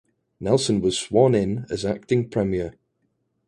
Nelson was sworn in as acting premier.